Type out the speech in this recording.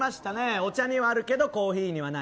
お茶にはあるけどコーヒーにはない。